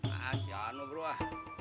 ah siapa bro ah